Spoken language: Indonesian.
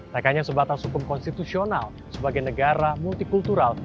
tak hanya sebatas hukum konstitusional sebagai negara multikultural